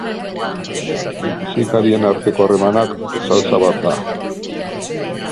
Musikarien arteko harremanak, saltsa bat da!